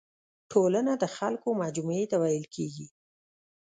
ټولنه د خلکو مجموعي ته ويل کيږي.